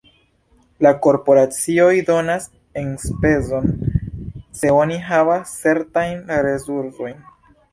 La korporacioj donas enspezon, se oni havas certajn resursojn.